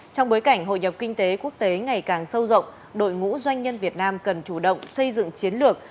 trong bối cảnh hội nhập kinh tế quốc tế ngày càng sâu rộng đội ngũ doanh nhân việt nam cần chủ động xây dựng chiến lược